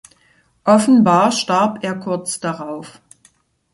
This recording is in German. Offenbar starb er kurz darauf.